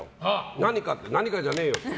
何かって、何かじゃねえよ。